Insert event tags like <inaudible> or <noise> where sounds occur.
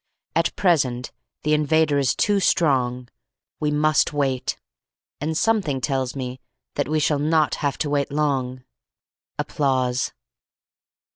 At present the invader is too strong. We must wait; and something tells me that we shall not have to wait long. <applause>